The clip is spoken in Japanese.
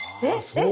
えっ！